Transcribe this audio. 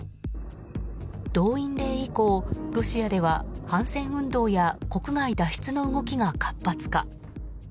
動員令以降、ロシアでは反戦運動や国外脱出の動きが活発化。